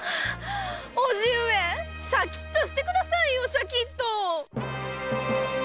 ⁉叔父上シャキッとしてくださいよシャキッと！